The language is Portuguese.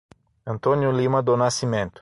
Antônio Lima do Nascimento